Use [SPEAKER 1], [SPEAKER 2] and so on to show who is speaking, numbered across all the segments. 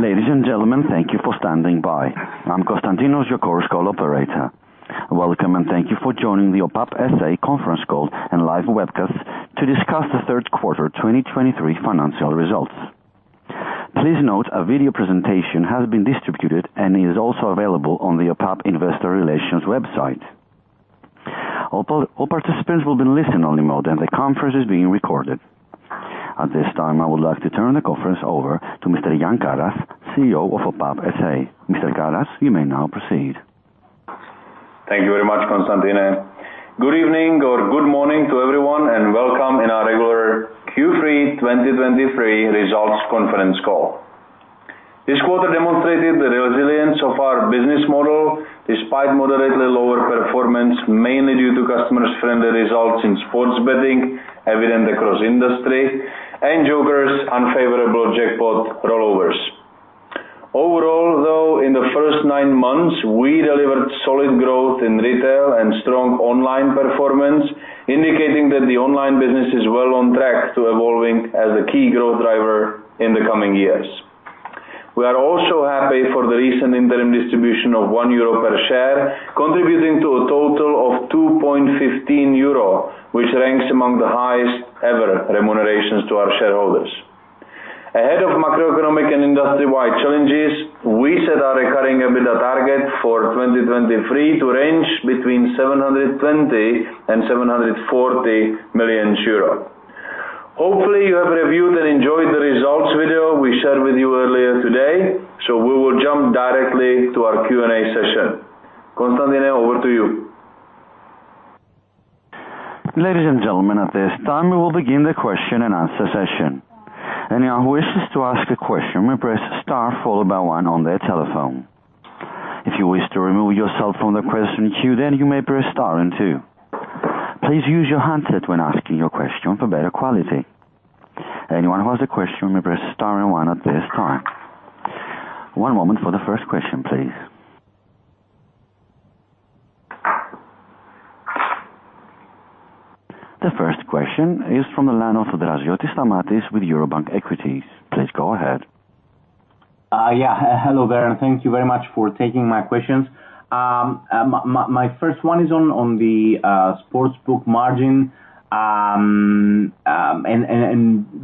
[SPEAKER 1] Ladies and gentlemen, thank you for standing by. I'm Constantinos, your Chorus Call Operator. Welcome, and thank you for joining the OPAP S.A. Conference Call and Live Webcast to discuss the Third Quarter 2023 Financial Results. Please note, a video presentation has been distributed and is also available on the OPAP Investor Relations Website. All participants will be in listen-only mode, and the conference is being recorded. At this time, I would like to turn the conference over to Mr. Jan Karas, CEO of OPAP S.A. Mr. Karas, you may now proceed.
[SPEAKER 2] Thank you very much, Constantinos. Good evening or good morning to everyone, and welcome to our Regular Q3 2023 Results Conference Call. This quarter demonstrated the resilience of our business model, despite moderately lower performance, mainly due to customer-friendly results in sports betting, evident across industry, and Joker's unfavorable jackpot rollovers. Overall, though, in the first nine months, we delivered solid growth in retail and strong online performance, indicating that the online business is well on track to evolving as a key growth driver in the coming years. We are also happy for the recent interim distribution of 1 euro per share, contributing to a total of 2.15 euro, which ranks among the highest ever remunerations to our shareholders. Ahead of Macroeconomic and Industry-Wide challenges, we set our recurring EBITDA target for 2023 to range between 720 million and 740 million euro. Hopefully, you have reviewed and enjoyed the results video we shared with you earlier today, so we will jump directly to our Q&A session. Constantinos, over to you.
[SPEAKER 1] Ladies and gentlemen, at this time, we will begin the question and answer session. Anyone who wishes to ask a question, may press star followed by one on their telephone. If you wish to remove yourself from the question queue, then you may press star and two. Please use your handset when asking your question for better quality. Anyone who has a question, may press star and one at this time. One moment for the first question, please. The first question is from the line of Stamatios Draziotis with Eurobank Equities. Please go ahead.
[SPEAKER 3] Yeah. Hello there, and thank you very much for taking my questions. My first one is on the sportsbook margin. And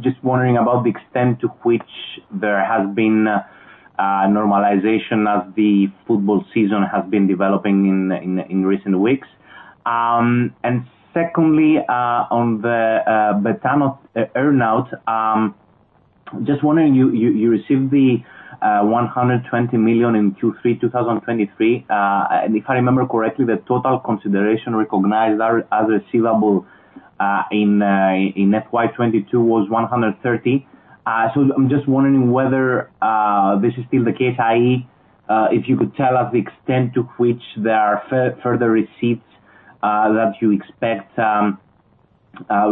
[SPEAKER 3] just wondering about the extent to which there has been normalization as the football season has been developing in recent weeks. And secondly, on the Betano Earn-Out, just wondering, you received the 120 million in Q3 2023. And if I remember correctly, the total consideration recognized as receivable in FY 2022 was 130 million. So I'm just wondering whether this is still the case, i.e., if you could tell us the extent to which there are further receipts that you expect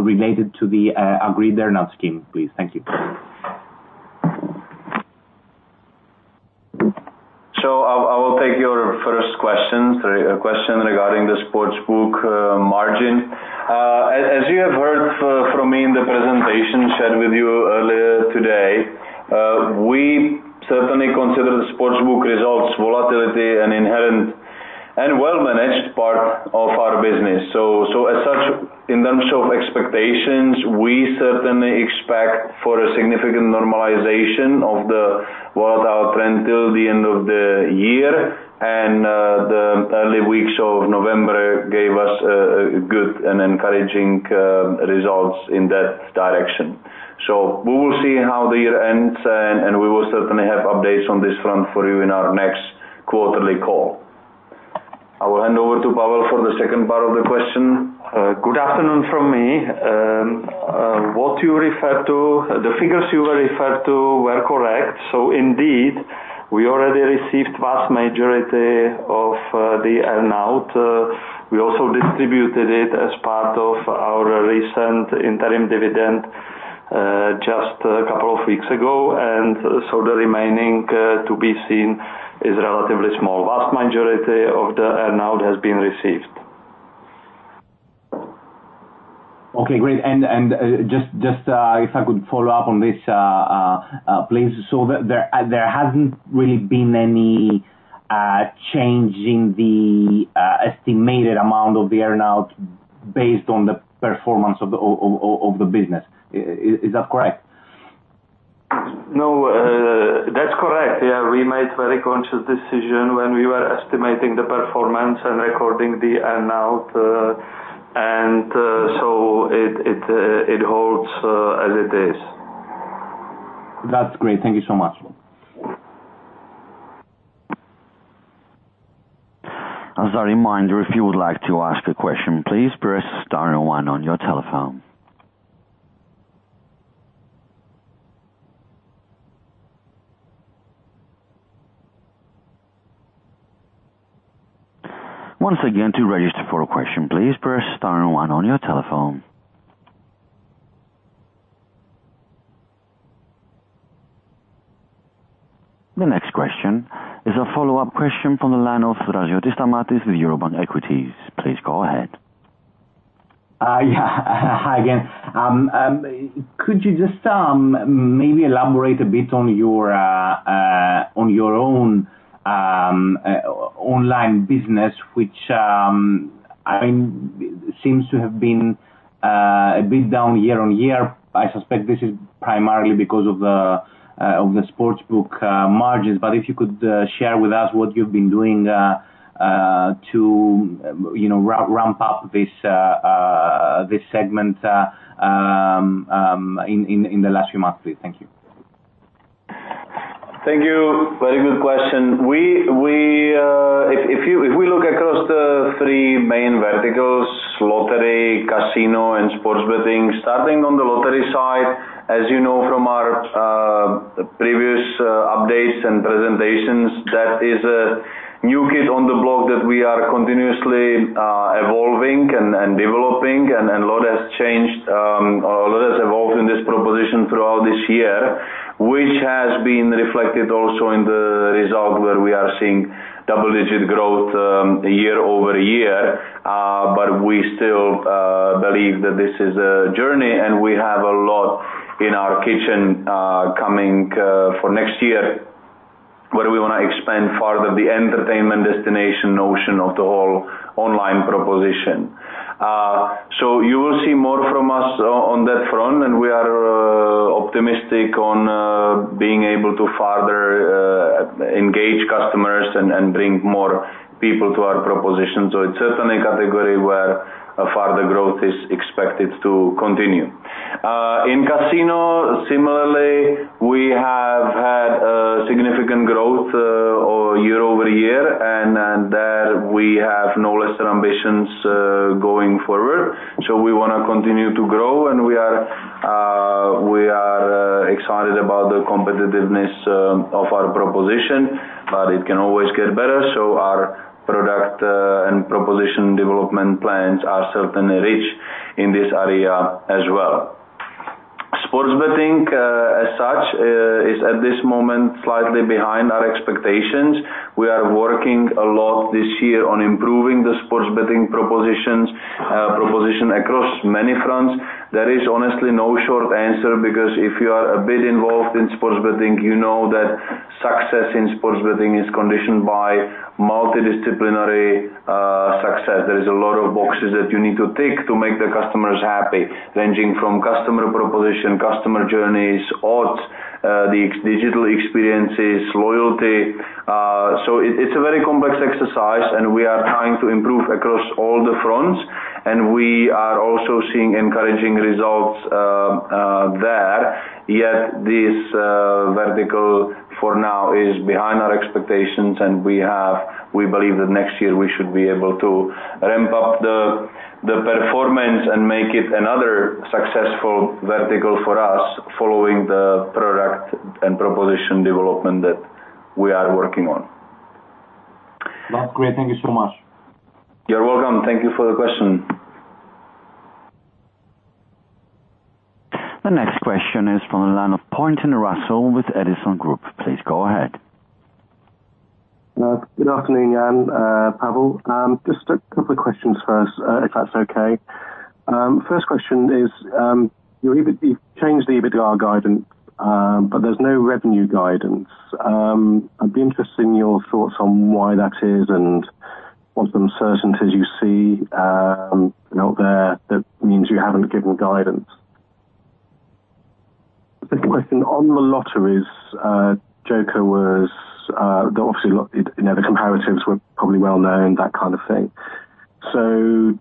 [SPEAKER 3] related to the agreed earn-out scheme, please. Thank you.
[SPEAKER 2] So I will take your first question, question regarding the sportsbook margin. As you have heard from me in the presentation shared with you earlier today, we certainly consider the sportsbook results volatility an inherent and well-managed part of our business. So as such, in terms of expectations, we certainly expect for a significant normalization of the volatile trend till the end of the year, and the early weeks of November gave us good and encouraging results in that direction. So we will see how the year ends, and we will certainly have updates on this front for you in our next quarterly call. I will hand over to Pavel for the second part of the question.
[SPEAKER 4] Good afternoon from me. What you referred to, the figures you were referred to were correct. So indeed, we already received vast majority of the earn-out. We also distributed it as part of our recent interim dividend just a couple of weeks ago, and so the remaining to be seen is relatively small. Vast majority of the earn-out has been received.
[SPEAKER 3] Okay, great. And just if I could follow up on this, please. So there hasn't really been any change in the estimated amount of the earn-out based on the performance of the business. Is that correct?
[SPEAKER 4] No, that's correct. Yeah, we made very conscious decision when we were estimating the performance and recording the earn-out, and so it holds as it is.
[SPEAKER 3] That's great. Thank you so much.
[SPEAKER 1] As a reminder, if you would like to ask a question, please press star and one on your telephone. Once again, to register for a question, please press star and one on your telephone. The next question is a follow-up question from the line of Stamatios Draziotis, with Eurobank Equities. Please go ahead.
[SPEAKER 3] Yeah, hi again. Could you just maybe elaborate a bit on your own online business, which, I mean, seems to have been a bit down year-on-year. I suspect this is primarily because of the sports book margins, but if you could share with us what you've been doing to, you know, ramp up this segment in the last few months, please. Thank you.
[SPEAKER 2] Thank you. Very good question. If we look across the three main verticals, lottery, casino, and sports betting. Starting on the lottery side, as you know from our previous updates and presentations, that is a new kid on the block that we are continuously evolving and developing, and a lot has changed, a lot has evolved in this proposition throughout this year. Which has been reflected also in the result, where we are seeing double-digit growth year-over-year. But we still believe that this is a journey, and we have a lot in our kitchen coming for next year, where we wanna expand further the entertainment destination notion of the whole online proposition. So you will see more from us on that front, and we are optimistic on being able to further engage customers and bring more people to our proposition. So it's certainly a category where a further growth is expected to continue. In casino, similarly, we have had significant growth year-over-year, and there we have no lesser ambitions going forward. So we wanna continue to grow, and we are excited about the competitiveness of our proposition, but it can always get better, so our product and proposition development plans are certainly rich in this area as well. Sports betting as such is at this moment slightly behind our expectations. We are working a lot this year on improving the sports betting proposition across many fronts. There is honestly no short answer, because if you are a bit involved in sports betting, you know that success in sports betting is conditioned by multidisciplinary success. There is a lot of boxes that you need to tick to make the customers happy, ranging from customer proposition, customer journeys, odds, the excellent digital experiences, loyalty. So it's a very complex exercise, and we are trying to improve across all the fronts, and we are also seeing encouraging results there. Yet this vertical, for now, is behind our expectations, and we believe that next year we should be able to ramp up the performance and make it another successful vertical for us, following the product and proposition development that we are working on.
[SPEAKER 3] That's great. Thank you so much.
[SPEAKER 2] You're welcome. Thank you for the question.
[SPEAKER 1] The next question is from the line of Russell Pointon with Edison Group. Please go ahead.
[SPEAKER 5] Good afternoon, Pavel. Just a couple of questions first, if that's okay. First question is, your EBITDA, you've changed the EBITDA guidance, but there's no revenue guidance. I'd be interested in your thoughts on why that is, and what uncertainties you see out there that means you haven't given guidance? Second question, on the lotteries, Joker was obviously, you know, the comparatives were probably well known, that kind of thing. So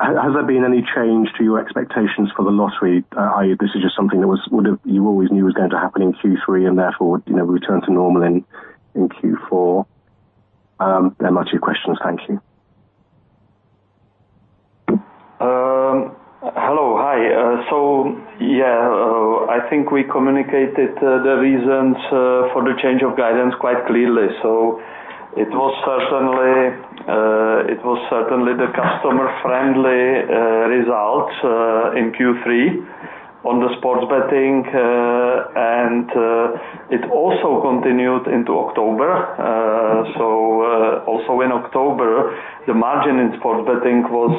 [SPEAKER 5] has there been any change to your expectations for the lottery? I.e., this is just something that you always knew was going to happen in Q3, and therefore, you know, return to normal in Q4? They're my two questions. Thank you.
[SPEAKER 2] Hello. Hi, so yeah, I think we communicated the reasons for the change of guidance quite clearly. So it was certainly the customer-friendly results in Q3 on the sports betting, and it also continued into October. So also in October, the margin in sports betting was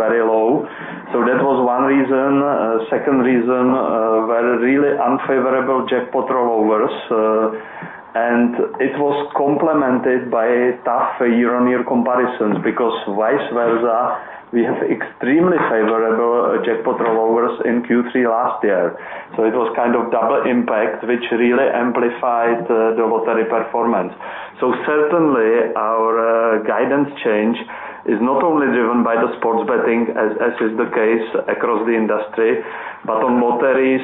[SPEAKER 2] very low. So that was one reason. Second reason were really unfavorable jackpot rollovers, and it was complemented by tough year-on-year comparisons, because vice versa, we have extremely favorable jackpot rollovers in Q3 last year. So it was kind of double impact, which really amplified the lottery performance. So certainly, our guidance change is not only driven by the sports betting, as is the case across the industry, but on lotteries,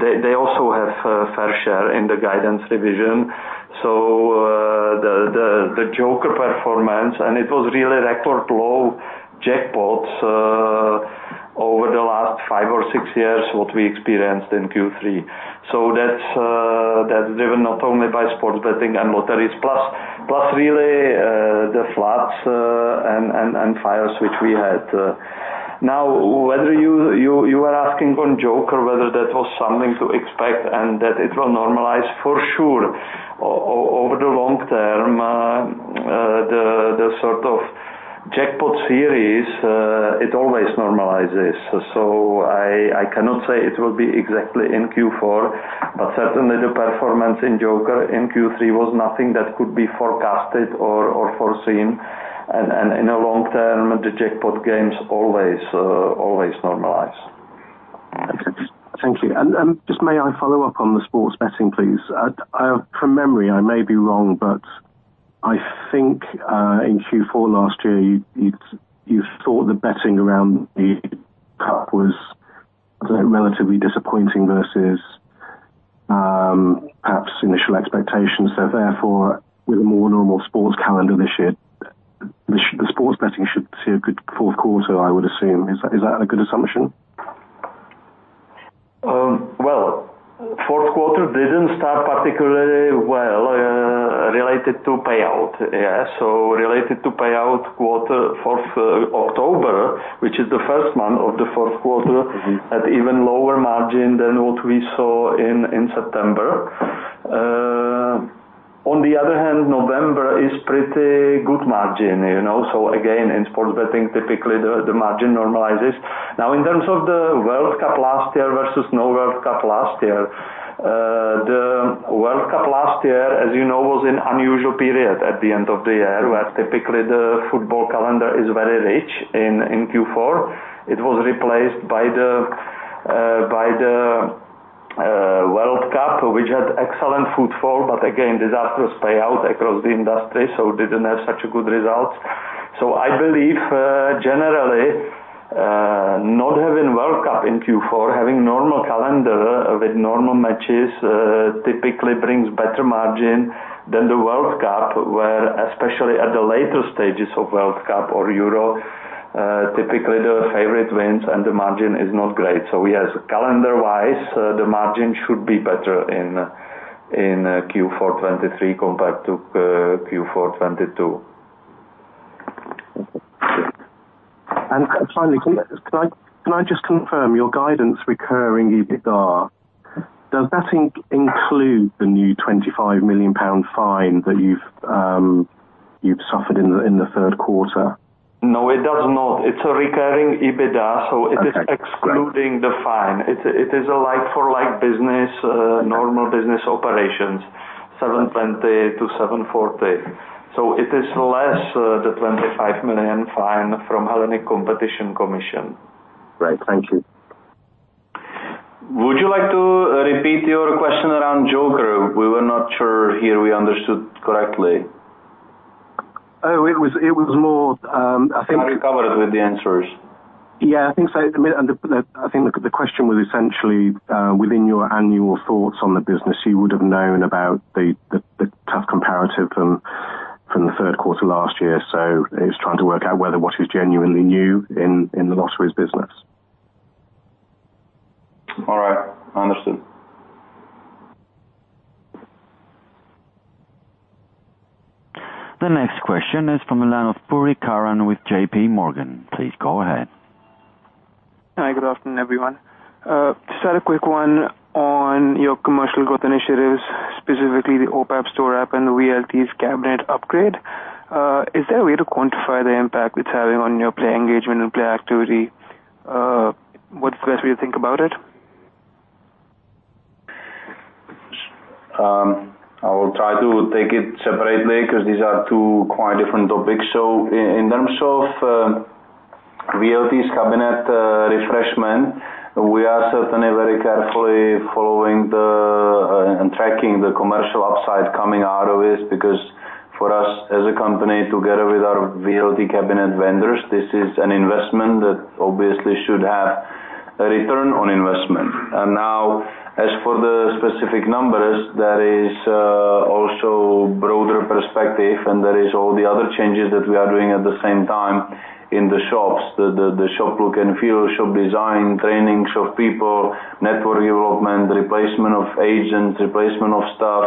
[SPEAKER 2] they also have a fair share in the guidance revision. So, the Joker performance, and it was really record low jackpots over the last five or six years, what we experienced in Q3. So that's driven not only by sports betting and lotteries, plus really the floods and fires which we had. Now, whether you are asking on Joker, whether that was something to expect and that it will normalize for sure. Over the long term, the sort of jackpot series, it always normalizes. So I cannot say it will be exactly in Q4, but certainly the performance in Joker in Q3 was nothing that could be forecasted or, in the long term, the jackpot games always normalize.
[SPEAKER 5] Thank you. Just may I follow up on the sports betting, please? From memory, I may be wrong, but I think in Q4 last year, you thought the betting around the cup was relatively disappointing versus perhaps initial expectations. So therefore, with a more normal sports calendar this year, the sports betting should see a good fourth quarter, I would assume. Is that a good assumption?
[SPEAKER 2] Well, fourth quarter didn't start particularly well related to payout. Yeah, so related to payout fourth quarter, October, which is the first month of the fourth quarter, at even lower margin than what we saw in September. On the other hand, November is pretty good margin, you know. So again, in sports betting, typically the margin normalizes. Now, in terms of the World Cup last year versus no World Cup last year, the World Cup last year, as you know, was an unusual period at the end of the year, where typically the football calendar is very rich in Q4. It was replaced by the World Cup, which had excellent footfall, but again, disastrous payout across the industry, so didn't have such a good results. So I believe, generally, not having World Cup in Q4, having normal calendar with normal matches, typically brings better margin than the World Cup, where, especially at the later stages of World Cup or Euro, typically the favorite wins and the margin is not great. So yes, calendar-wise, the margin should be better in Q4 2023 compared to Q4 2022.
[SPEAKER 5] Finally, can I just confirm your guidance recurring EBITDA? Does that include the new 25 million pound fine that you've suffered in the third quarter?
[SPEAKER 2] No, it does not. It's a recurring EBITDA, so it is excluding the fine.
[SPEAKER 5] Okay, great.
[SPEAKER 2] It is a like for like business, normal business operations, 7:20-7:40. So it is less the 25 million fine from Hellenic Competition Commission.
[SPEAKER 5] Great, thank you.
[SPEAKER 2] Would you like to repeat your question around Joker? We were not sure here we understood correctly.
[SPEAKER 5] Oh, it was more, I think-
[SPEAKER 2] I covered it with the answers.
[SPEAKER 5] Yeah, I think so. I mean, and the, I think the question was essentially within your annual thoughts on the business, you would have known about the tough comparative from the third quarter last year. So it's trying to work out whether what is genuinely new in the lotteries business.
[SPEAKER 2] All right, understood.
[SPEAKER 1] The next question is from Milan Purikaran with JP Morgan. Please go ahead.
[SPEAKER 6] Hi, good afternoon, everyone. Just had a quick one on your commercial growth initiatives, specifically the OPAP Store App and the VLTs cabinet upgrade. Is there a way to quantify the impact it's having on your play engagement and play activity? What's the best way to think about it?
[SPEAKER 2] I will try to take it separately, 'cause these are two quite different topics. So in terms of VLTs cabinet refreshment, we are certainly very carefully following and tracking the commercial upside coming out of it. Because for us, as a company, together with our VLT cabinet vendors, this is an investment that obviously should have a return on investment. And now, as for the specific numbers, there is also broader perspective, and there is all the other changes that we are doing at the same time in the shops. The shop look and feel, shop design, training shop people, network development, replacement of agents, replacement of staff,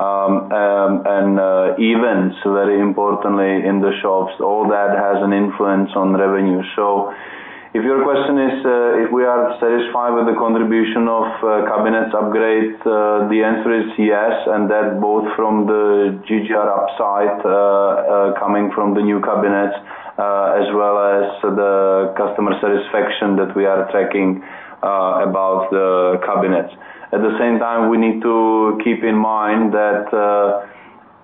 [SPEAKER 2] and events, very importantly in the shops. All that has an influence on revenue. So if your question is, if we are satisfied with the contribution of, cabinets upgrade, the answer is yes, and that both from the GGR upside, coming from the new cabinets, as well as the customer satisfaction that we are tracking, about the cabinets. At the same time, we need to keep in mind that,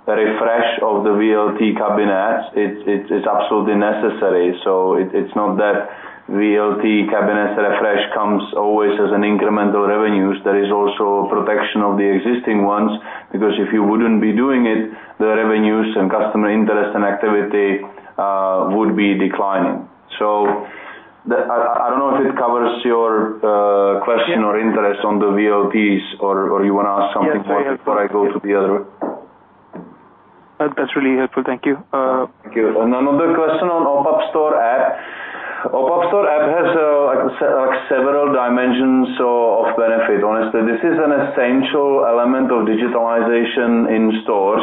[SPEAKER 2] refresh of the VLT cabinets, it is absolutely necessary. So it is not that VLT cabinets refresh comes always as an incremental revenues. There is also protection of the existing ones, because if you wouldn't be doing it, the revenues and customer interest and activity, would be declining. So the... I don't know if it covers your, question or interest on the VLTs, or you want to ask something before I go to the other?
[SPEAKER 6] That's really helpful. Thank you.
[SPEAKER 2] Thank you. And another question on OPAP Store App. OPAP Store App has like several dimensions of benefit. Honestly, this is an essential element of digitalization in store.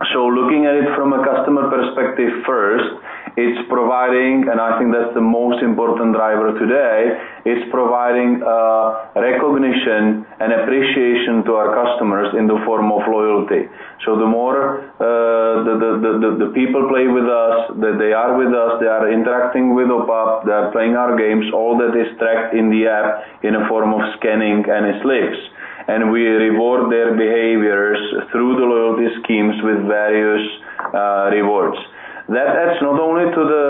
[SPEAKER 2] From a customer perspective first, it's providing, and I think that's the most important driver today, is providing recognition and appreciation to our customers in the form of loyalty. So the more people play with us, that they are with us, they are interacting with OPAP, they are playing our games, all that is tracked in the app in a form of scanning and slips. And we reward their behaviors through the loyalty schemes with various rewards. That adds not only to the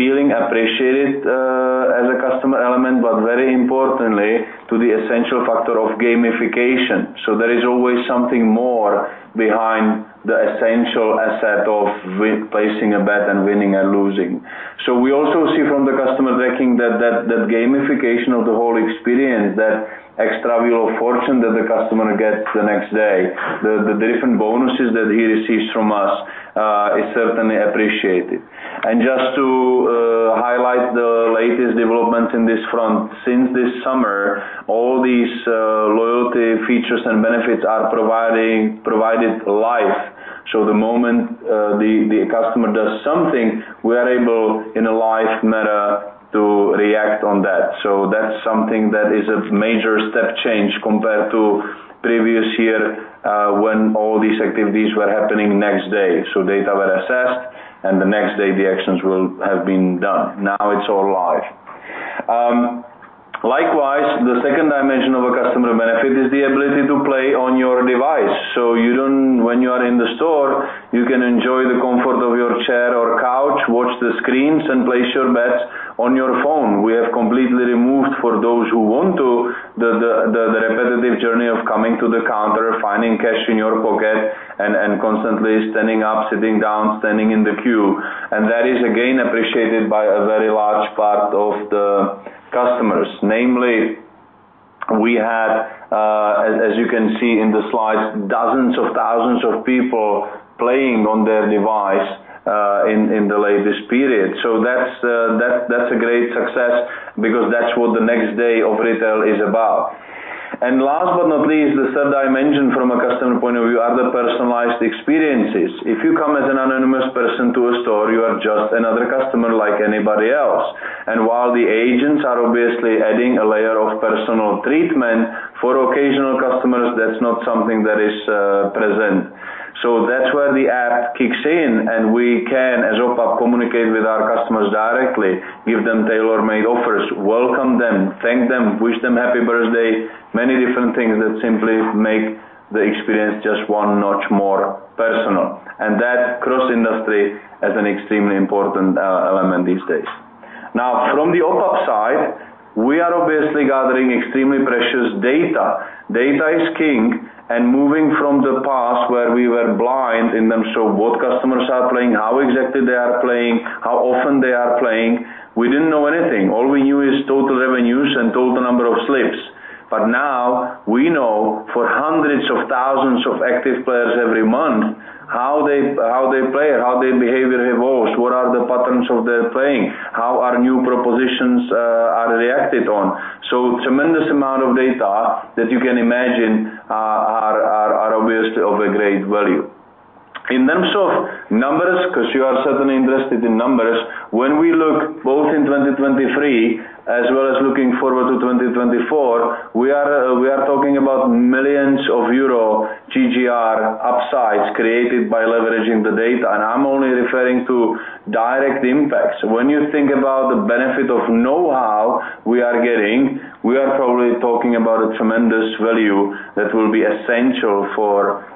[SPEAKER 2] feeling appreciated as a customer element, but very importantly, to the essential factor of gamification. So there is always something more behind the essential aspect of winning-placing a bet and winning and losing. So we also see from the customer tracking that gamification of the whole experience, that extra wheel of fortune that the customer gets the next day, the different bonuses that he receives from us, is certainly appreciated. And just to highlight the latest developments in this front, since this summer, all these loyalty features and benefits are provided live. So the moment the customer does something, we are able, in a live manner, to react on that. So that's something that is a major step change compared to previous year, when all these activities were happening next day. So data were assessed, and the next day the actions will have been done. Now it's all live. Likewise, the second dimension of a customer benefit is the ability to play on your device. When you are in the store, you can enjoy the comfort of your chair or couch, watch the screens, and place your bets on your phone. We have completely removed for those who want to, the repetitive journey of coming to the counter, finding cash in your pocket and constantly standing up, sitting down, standing in the queue. And that is, again, appreciated by a very large part of the customers. Namely, we had, as you can see in the slides, dozens of thousands of people playing on their device, in the latest period. So that's, that, that's a great success because that's what the next day of retail is about. And last but not the least, the third dimension from a customer point of view, are the personalized experiences. If you come as an anonymous person to a store, you are just another customer like anybody else. And while the agents are obviously adding a layer of personal treatment, for occasional customers, that's not something that is, present. So that's where the app kicks in, and we can, as OPAP, communicate with our customers directly, give them tailor-made offers, welcome them, thank them, wish them happy birthday, many different things that simply make the experience just one notch more personal. And that cross-industry is an extremely important, element these days. Now, from the OPAP side, we are obviously gathering extremely precious data. Data is king, and moving from the past where we were blind in terms of what customers are playing, how exactly they are playing, how often they are playing, we didn't know anything. All we knew is total revenues and total number of slips. But now we know for hundreds of thousands of active players every month, how they, how they play, how their behavior evolves, what are the patterns of their playing, how our new propositions are reacted on. So tremendous amount of data that you can imagine are obviously of a great value. In terms of numbers, 'cause you are certainly interested in numbers, when we look both in 2023 as well as looking forward to 2024, we are talking about millions of EUR GGR upsides created by leveraging the data, and I'm only referring to direct impacts. When you think about the benefit of know-how we are getting, we are probably talking about a tremendous value that will be essential for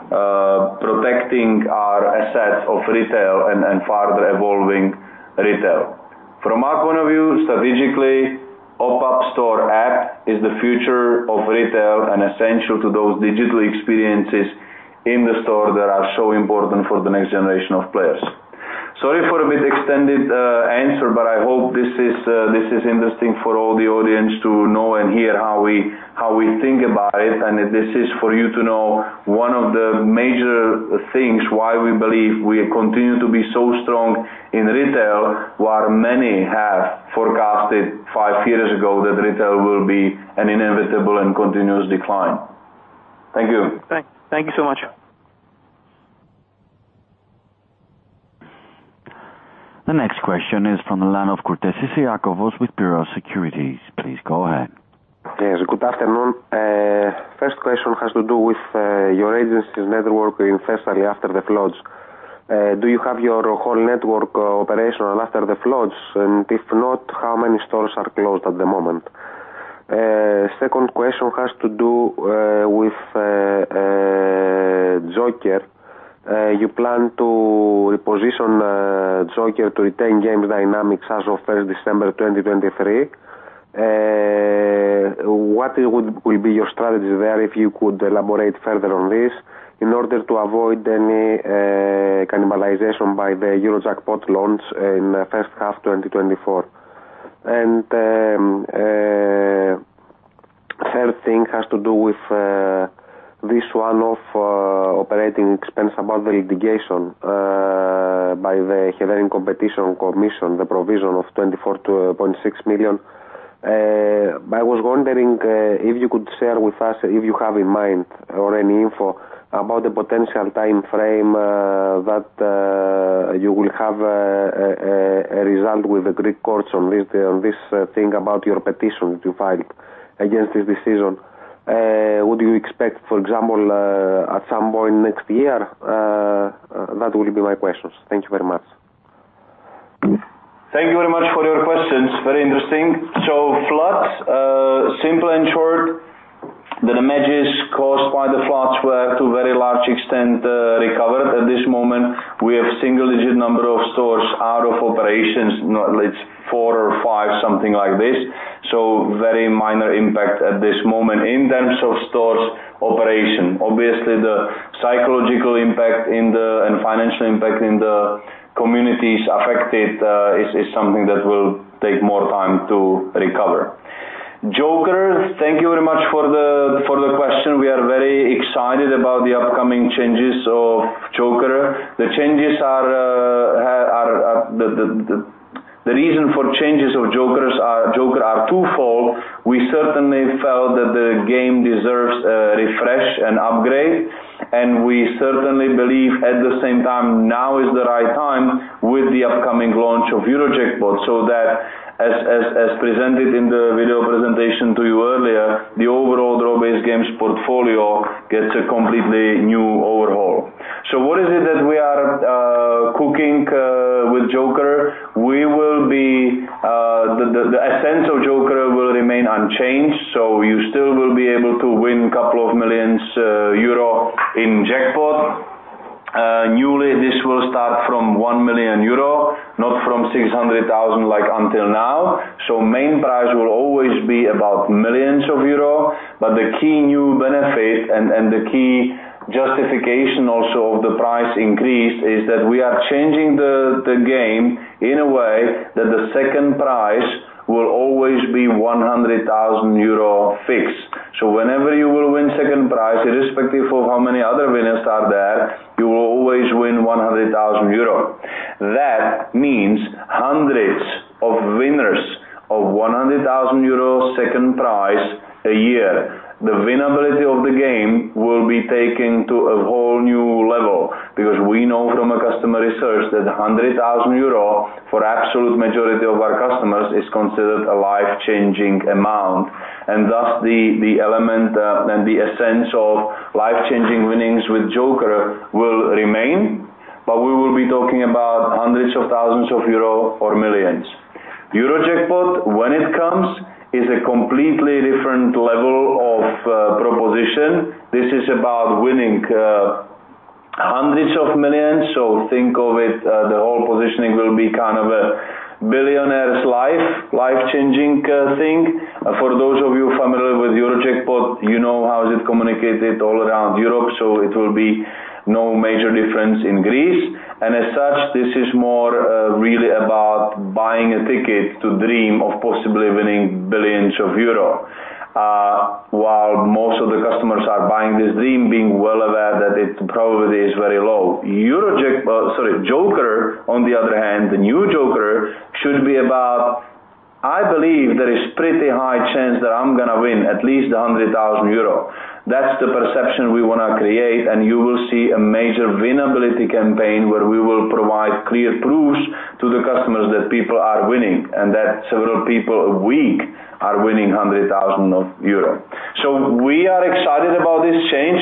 [SPEAKER 2] protecting our assets of retail and further evolving retail. From our point of view, strategically, OPAP Store App is the future of retail and essential to those digital experiences in the store that are so important for the next generation of players. Sorry for a bit extended answer, but I hope this is interesting for all the audience to know and hear how we think about it. This is for you to know one of the major things, why we believe we continue to be so strong in retail, while many have forecasted five years ago that retail will be an inevitable and continuous decline. Thank you.
[SPEAKER 1] Thank you so much. The next question is from the line of Iakovos Kourtesis with Piraeus Securities. Please go ahead.
[SPEAKER 7] Yes, good afternoon. First question has to do with your agency's network in Thessaly after the floods. Do you have your whole network operational after the floods? And if not, how many stores are closed at the moment? Second question has to do with Joker. You plan to reposition Joker to retain games dynamics as of 1st December 2023. What would, will be your strategy there, if you could elaborate further on this, in order to avoid any cannibalization by the Eurojackpot launch in first half 2024? And third thing has to do with this one-off operating expense about the litigation by the Hellenic Competition Commission, the provision of 24.6 million.... I was wondering if you could share with us if you have in mind or any info about the potential time frame that you will have a result with the Greek courts on this thing about your petition that you filed against this decision. Would you expect, for example, at some point next year? That will be my questions. Thank you very much.
[SPEAKER 2] Thank you very much for your questions. Very interesting. So floods, simple and short, the damages caused by the floods were to a very large extent recovered. At this moment, we have single-digit number of stores out of operations, not least four or five, something like this. So very minor impact at this moment in terms of stores operation. Obviously, the psychological impact in the, and financial impact in the communities affected is something that will take more time to recover. Joker, thank you very much for the question. We are very excited about the upcoming changes of Joker. The changes are the reason for changes of Jokers are, Joker are twofold. We certainly felt that the game deserves a refresh and upgrade, and we certainly believe, at the same time, now is the right time with the upcoming launch of Eurojackpot, so that as presented in the video presentation to you earlier, the overall draw-based games portfolio gets a completely new overhaul. So what is it that we are cooking with Joker? We will be the essence of Joker will remain unchanged, so you still will be able to win couple of millions EUR in jackpot. Newly, this will start from 1 million euro, not from 600,000 like until now. So main prize will always be about millions of EUR, but the key new benefit and, and the key justification also of the price increase is that we are changing the, the game in a way that the second prize will always be 100,000 euro fixed. So whenever you will win second prize, irrespective of how many other winners are there, you will always win 100,000 euro. That means hundreds of winners of 100,000 euro second prize a year. The winnability of the game will be taken to a whole new level because we know from a customer research that 100,000 euro, for absolute majority of our customers, is considered a life-changing amount. And thus, the, the element, and the essence of life-changing winnings with Joker will remain, but we will be talking about hundreds of thousands of EUR or millions. Eurojackpot, when it comes, is a completely different level of proposition. This is about winning hundreds of millions, so think of it, the whole positioning will be kind of a billionaire's life, life-changing thing. For those of you familiar with Eurojackpot, you know how it communicated all around Europe, so it will be no major difference in Greece. And as such, this is more really about buying a ticket to dream of possibly winning billions euro, while most of the customers are buying this dream, being well aware that it probably is very low. Eurojack... sorry, Joker, on the other hand, the new Joker, should be about, I believe there is pretty high chance that I'm gonna win at least 100,000 euro. That's the perception we wanna create, and you will see a major winnability campaign where we will provide clear proofs to the customers that people are winning, and that several people a week are winning 100,000 euro. So we are excited about this change.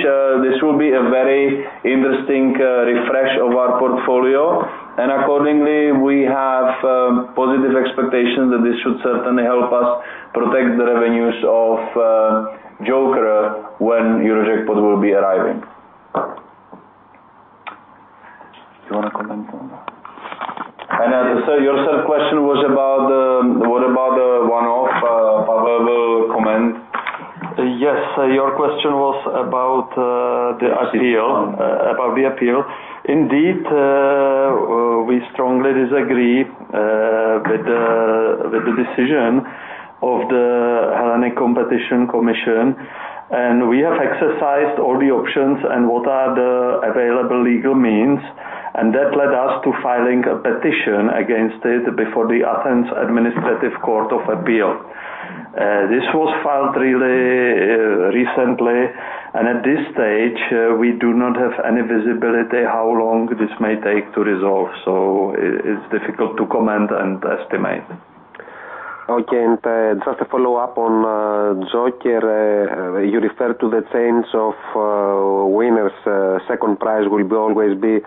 [SPEAKER 2] This will be a very interesting, refresh of our portfolio, and accordingly, we have, positive expectations that this should certainly help us protect the revenues of, Joker when Eurojackpot will be arriving. Do you wanna comment on that? And as, so your third question was about the, what about the one-off, available comment?
[SPEAKER 4] Yes, your question was about the appeal-
[SPEAKER 2] About the appeal.
[SPEAKER 4] About the appeal. Indeed, we strongly disagree, with the, with the decision of the Hellenic Competition Commission, and we have exercised all the options and what are the available legal means, and that led us to filing a petition against it before the Athens Administrative Court of Appeal. This was filed really, recently, and at this stage, we do not have any visibility how long this may take to resolve. So it's difficult to comment and estimate.
[SPEAKER 7] Okay, and just a follow-up on Joker. You referred to the change of winners. Second prize will be always be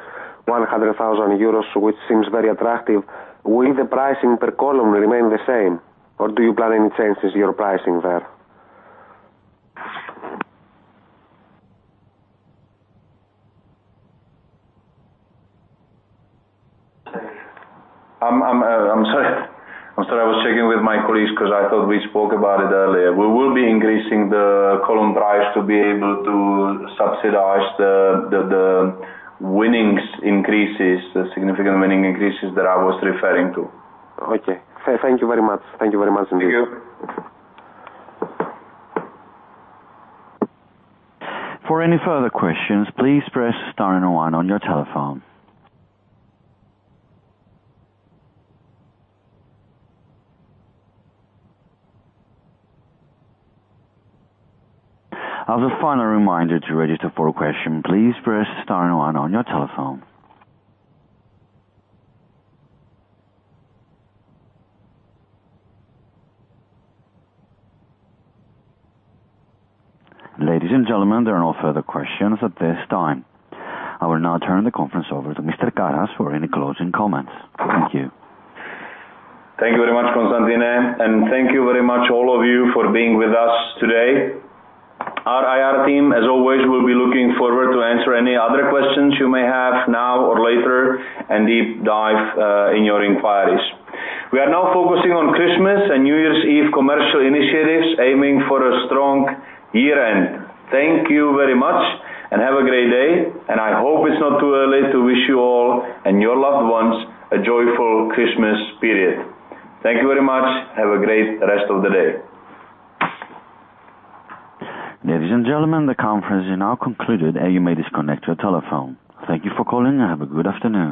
[SPEAKER 7] 100,000 euros, which seems very attractive. Will the pricing per column remain the same, or do you plan any changes to your pricing there?
[SPEAKER 2] I'm sorry. I'm sorry. I was checking with my colleagues 'cause I thought we spoke about it earlier. We will be increasing the column price to be able to subsidize the winnings increases, the significant winning increases that I was referring to.
[SPEAKER 7] Okay. Thank you very much. Thank you very much, indeed.
[SPEAKER 2] Thank you.
[SPEAKER 1] For any further questions, please press star and one on your telephone. As a final reminder to register for a question, please press star and one on your telephone. Ladies and gentlemen, there are no further questions at this time. I will now turn the conference over to Mr. Karas for any closing comments. Thank you.
[SPEAKER 2] Thank you very much, Constantinos, and thank you very much all of you for being with us today. Our IR team, as always, will be looking forward to answer any other questions you may have now or later and deep dive in your inquiries. We are now focusing on Christmas and New Year's Eve commercial initiatives, aiming for a strong year-end. Thank you very much, and have a great day, and I hope it's not too early to wish you all and your loved ones a joyful Christmas period. Thank you very much. Have a great rest of the day.
[SPEAKER 1] Ladies and gentlemen, the conference is now concluded, and you may disconnect your telephone. Thank you for calling, and have a good afternoon.